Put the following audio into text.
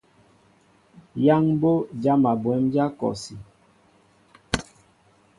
Yaŋ mbo jama bwémdja kɔsí.